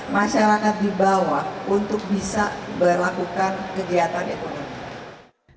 masyarakat di bawah untuk bisa berlakukan kegiatan ekonomi